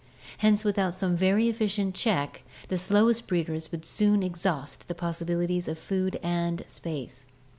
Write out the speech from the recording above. Hence without some very efficient check the slowest breeders would soon exhaust the possibilities of food and space.